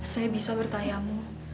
saya bisa bertayamu